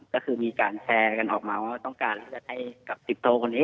ก็คือมีการแชร์กันออกมาว่าต้องการที่จะให้กับ๑๐โทคนนี้